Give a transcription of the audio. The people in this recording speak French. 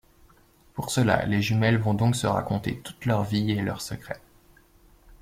Pour cela, les jumelles vont donc se raconter toute leur vie et leurs secrets.